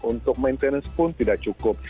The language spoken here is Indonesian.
untuk maintenance pun tidak cukup